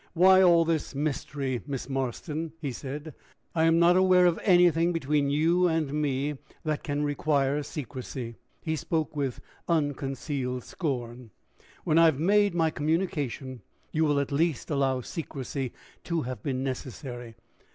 "Why all this mystery, Miss Marston?" he said. "I am not aware of anything between you and me that can require secrecy." He spoke with unconcealed scorn. "When I have made my communication, you will at least allow secrecy to have been necessary."